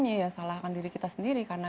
ya salahkan diri kita sendiri karena